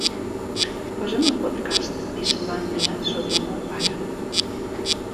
Posa'm el podcast d'Islàndia sobre el meu pare.